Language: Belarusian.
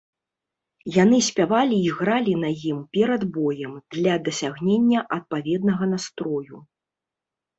Яны спявалі і гралі на ім перад боем, для дасягнення адпаведнага настрою.